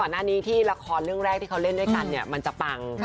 นี่ที่ละครเรื่องแรกที่เค้าเล่นด้วยกันมันจะปัง